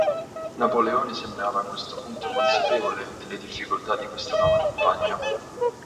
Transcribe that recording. Napoleone sembrava a questo punto consapevole delle difficoltà di questa nuova campagna.